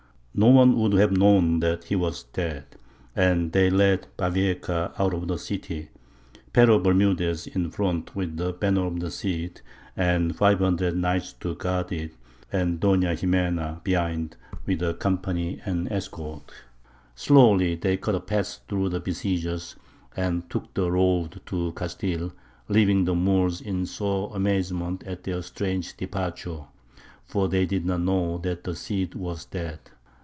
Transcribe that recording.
No one would have known that he was dead. And they led Bavieca out of the city: Pero Bermudez in front with the banner of the Cid and five hundred knights to guard it, and Doña Ximena behind with her company and escort. Slowly they cut a path through the besiegers, and took the road to Castile, leaving the Moors in sore amazement at their strange departure: for they did not know that the Cid was dead.